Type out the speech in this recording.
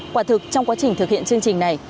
quả thực trong quá trình thực hiện chương trình này